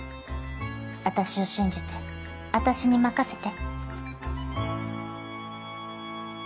私を信じて私に任せて。